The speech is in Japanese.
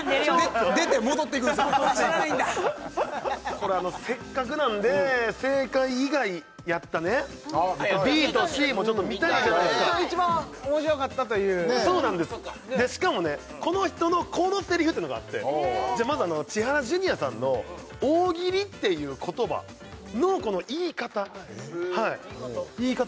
これせっかくなんで正解以外やったねＢとＣもちょっと見たいじゃないっすか一番面白かったというそうなんですしかもねこの人のこのせりふってのがあってまず千原ジュニアさんの「大喜利」っていう言葉の言い方へえ言い方